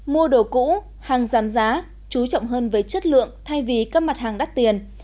mua đồ cũ hàng giảm giá chú trọng hơn về chất lượng thay vì các mặt hàng đắt tiền